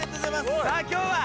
さあ今日は。